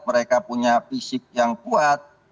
mereka punya fisik yang kuat